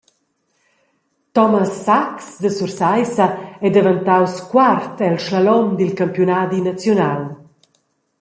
Thomas Sax da Sursaissa ei daventaus quart el slalom dil campiunadi naziunal.